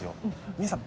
皆さん